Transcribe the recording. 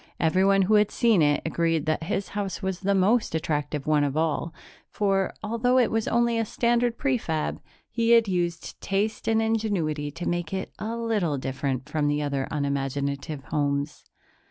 Everyone who had seen it agreed that his house was the most attractive one of all, for, although it was only a standard prefab, he had used taste and ingenuity to make it a little different from the other unimaginative homes.